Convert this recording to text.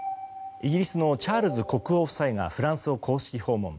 イギリスのチャールズ国王夫妻がフランスを公式訪問。